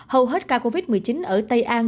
hầu hết ca covid một mươi chín ở tây an